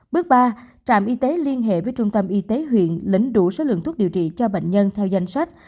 bước ba trạm y tế liên hệ với trung tâm y tế huyện lấy đủ số lượng thuốc điều trị cho bệnh nhân theo danh sách